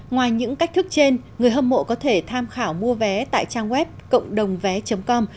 ngoài những cách thức trên người hâm mộ có thể tham khảo mua vé tại trang web cộng đồng vé com